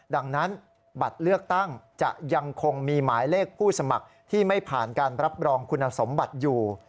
ดังนั้นบัตรเลือกตั้งจะยังคงมีหมายเลขผู้สมัครที่ไม่ผ่านการรับรองคุณสมบัติอยู่